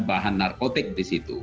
bahan narkotik di situ